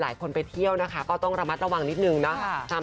หลายคนไปเที่ยวนะคะก็ต้องระมัดระวังนิดนึงนะคะ